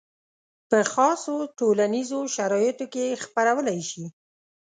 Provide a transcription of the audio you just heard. په خاصو ټولنیزو شرایطو کې یې خپرولی شي.